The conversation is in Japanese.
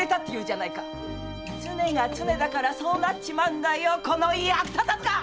常が常だからそうなるんだよこの役立たずが！